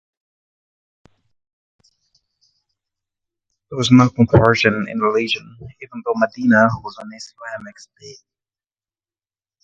There was no compulsion in religion even though Medina was an Islamic state.